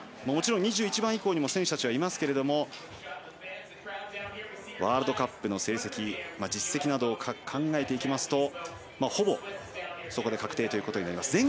もちろん２１番以降にも選手たちはいますがワールドカップの成績実績などを考えていきますとほぼ確定となります。